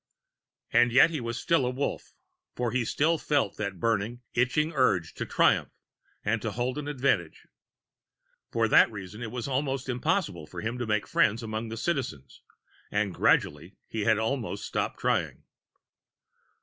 And yet he was still a Wolf, for he still felt that burning, itching urge to triumph and to hold an advantage. For that reason, it was almost impossible for him to make friends among the Citizens; and gradually he had almost stopped trying.